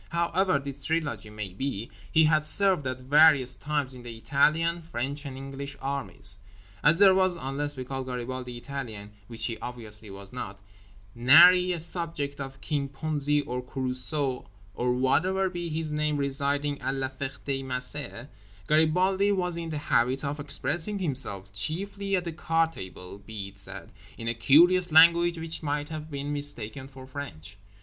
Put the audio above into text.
However this trilogy may be, he had served at various times in the Italian, French and English armies. As there was (unless we call Garibaldi Italian, which he obviously was not) nary a subject of King Ponzi or Carruso or whatever be his name residing at La Ferté Macé, Garibaldi was in the habit of expressing himself—chiefly at the card table, be it said—in a curious language which might have been mistaken for French.